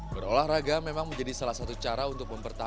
berolahraga memang menjadi salah satu cara untuk memperbaiki